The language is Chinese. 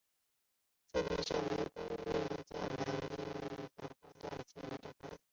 作品围绕小公务员贝兰吉的一场荒诞奇遇展开。